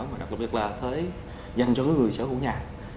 và đặc biệt là thuế dành cho người sở hữu nhà